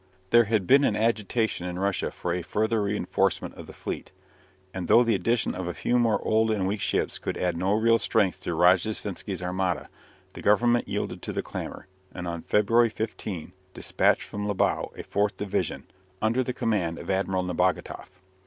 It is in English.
There had been an agitation in Russia for a further reinforcement of the fleet, and though the addition of a few more old and weak ships could add no real strength to Rojdestvensky's armada, the Government yielded to the clamour, and on February 15 dispatched from Libau a fourth division, under the command of Admiral Nebogatoff.